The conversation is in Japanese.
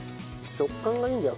食感がいいんだよ。